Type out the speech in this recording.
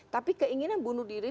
tapi keinginan bunuh diri